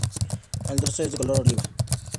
El dorso es de color oliva.